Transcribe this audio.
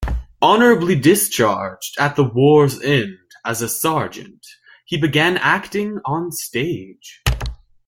Honorably discharged at the war's end as a sergeant, he began acting on stage.